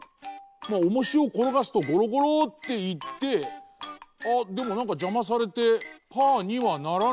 まあおもしをころがすとゴロゴロっていってあっでもなんかじゃまされてパーにはならない。